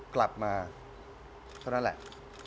กลับมาเท่านั้นแหละ